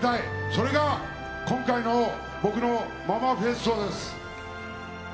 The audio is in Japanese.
それが今回の僕のママフェストです。